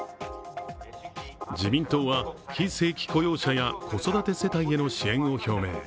自民党は、非正規雇用者や子育て世帯への支援を表明。